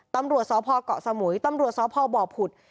ตำรวจสพเกาะสมุยตำรวจสพบผุด